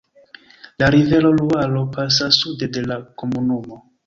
La rivero Luaro pasas sude de la komunumo.